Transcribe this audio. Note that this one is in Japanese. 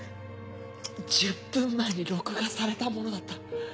１０分前に録画されたものだった。